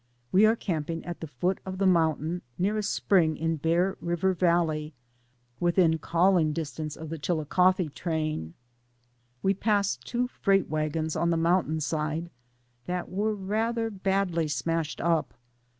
We are camping at the foot of the mountain near a spring in Bear River Valley, within calling distance of the Chilicothe train. We passed two freight wagons on the mountain side that were rather badly smashed up.